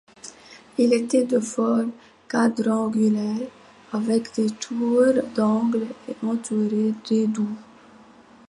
Il était de forme quadrangulaire avec des tours d'angle et entouré de douves.